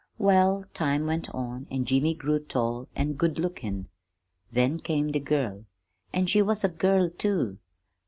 "Well, time went on, an' Jimmy grew tall an' good lookin'. Then came the girl an' she was a girl, too.